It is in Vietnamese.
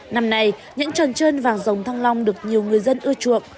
năm nay những tròn trơn vàng dòng thăng long được nhiều người dân ưa chuộng